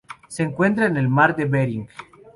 Se encuentra en el Mar de Bering.